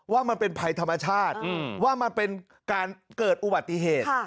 ว่ามันเป็นภัยธรรมชาติว่ามันเป็นการเกิดอุบัติเหตุ